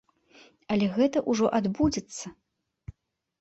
Але гэта ўжо адбудзецца.